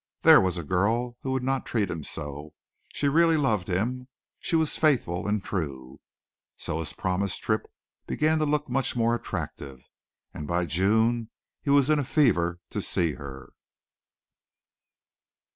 There was a girl who would not treat him so. She really loved him. She was faithful and true. So his promised trip began to look much more attractive, and by June he was in a fever to see her.